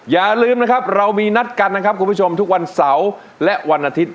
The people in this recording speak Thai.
อย่าลืมนะครับเรามีนัดกันนะครับคุณผู้ชมทุกวันเสาร์และวันอาทิตย์